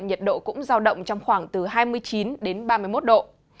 nhiệt độ cũng giao động trong khoảng từ hai mươi chín đến ba mươi một độ